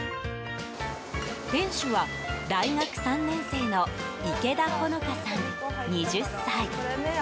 店主は大学３年生の池田穂乃花さん、２０歳。